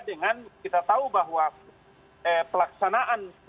dengan kita tahu bahwa pelaksanaan